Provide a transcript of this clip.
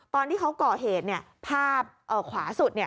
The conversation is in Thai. ตอนที่เขาก่อเหตุภาพขวาสุด